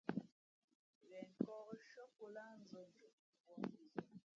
Ghen nkᾱᾱ nshʉ̄ᾱ pō lǎh nzᾱ njoʼ mbuānzᾱ.